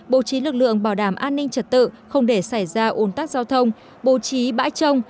bố trí lực lượng bảo đảm an ninh trật tự không để xảy ra ồn tắc giao thông bố trí bãi trông